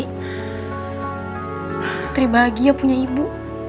putri bahagia punya ibu